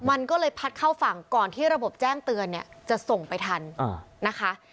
มันก็เลยพัดเข้าฝั่งก่อนที่ระบบแจ้งเตือนเนี่ยจะส่งไปทันนะคะ